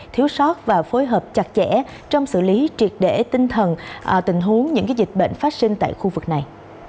thiếu sót và phối hợp chặt chẽ trong xử lý triệt để tinh thần tình huống những dịch bệnh phát sinh tại khu vực này